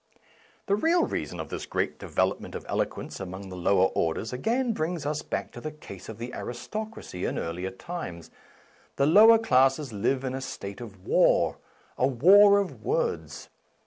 { The real reason of this great develop ment of eloquence among the lower orders again brings us back to the case of the aristocracy in earlier times. The lower classes live in a state of war, a war of words.